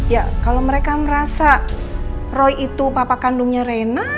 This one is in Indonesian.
ya kalau mereka merasa roy itu papa kandungnya reina